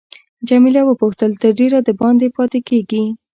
جميله وپوښتل تر ډېره دباندې پاتې کیږې.